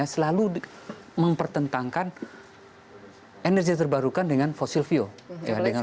selalu mempertentangkan energi terbarukan dengan fossil fuel